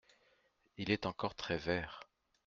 Il est encore très vert…